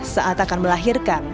saat akan melahirkan